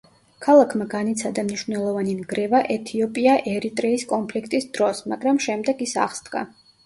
ქალაქმა განიცადა მნიშვნელოვანი ნგრევა ეთიოპია-ერიტრეის კონფლიქტის დროს, მაგრამ შემდეგ ის აღსდგა.